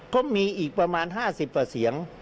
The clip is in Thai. ก็มีอีกประมาณ๕๐กว่าเสียง